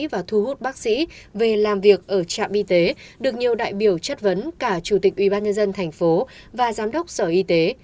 và thu hút bác sĩ về làm việc ở trạm y tế được nhiều đại biểu chất vấn cả chủ tịch ubnd tp và giám đốc sở y tế